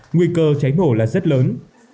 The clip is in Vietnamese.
nguy cơ cháy bổ là rất lớn